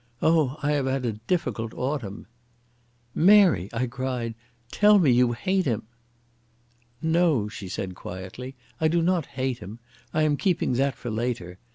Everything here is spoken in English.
Oh, I have had a difficult autumn." "Mary," I cried, "tell me you hate him." "No," she said quietly. "I do not hate him. I am keeping that for later.